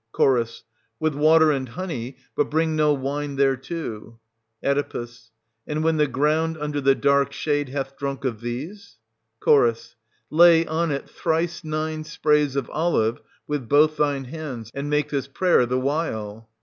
Ch. With water and honey; but bring no wine thereto. Oe. And when the ground under the dark shade hath drunk of these } Ch. Lay on it thrice nine sprays of olive with both thine hands, and make this prayer the while.